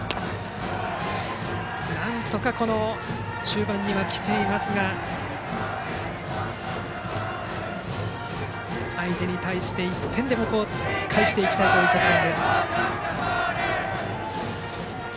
なんとか、終盤に来ていますが相手に対して１点でも返していきたいところ。